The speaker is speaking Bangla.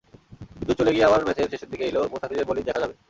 বিদ্যুৎ চলে গিয়ে আবার ম্যাচের শেষের দিকে এলেও মুস্তাফিজের বোলিং দেখা যাবে।